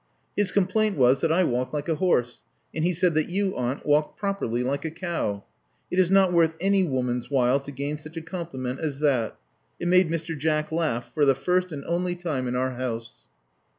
His complaint was that I walked like a horse; and he said that you, aunt, walked properly, like a cow. It is not worth any woman s^hile to gain such a compliment as that. It made Mr. Jack laugh for the first and only time in our hou^e."